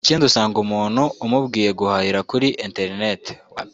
Ikindi usanga umuntu umubwiye guhahira kuri internet